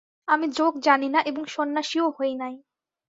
আমি যোগ জানি না এবং সন্ন্যাসীও হই নাই।